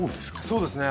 そうですね